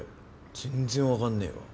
全然分かんねえわ。